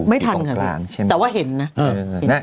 ไม่ทันค่ะแต่ว่าเห็นนะ